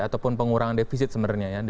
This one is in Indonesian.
ataupun pengurangan defisit sebenarnya ya